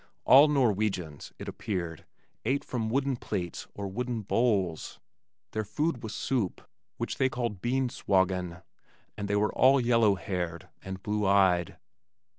All Norwegians, it appeared, ate from wooden plates or wooden bowls. Their food was soup which they called "bean swaagen" and they were all yellow haired and blue eyed.